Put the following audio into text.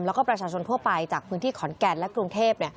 แล้วก็ประชาชนทั่วไปจากพื้นที่ขอนแก่นและกรุงเทพ